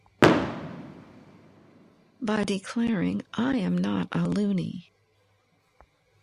By declaring I am not a loony!